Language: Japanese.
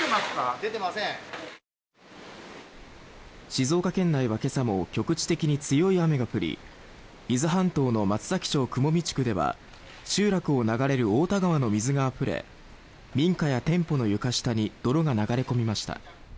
静岡県内は今朝も局地的に強い雨が降り伊豆半島の松崎町雲見地区では集落を流れる太田川の水があふれ民家や店舗の床下に泥が流れ込みました。